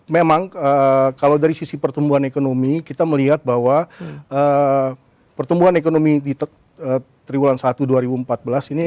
memang kalau dari sisi pertumbuhan ekonomi kita melihat bahwa pertumbuhan ekonomi di triwulan satu dua ribu empat belas ini